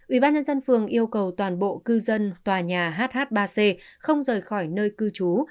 ubnd phường yêu cầu toàn bộ cư dân tòa nhà hh ba c không rời khỏi nơi cư trú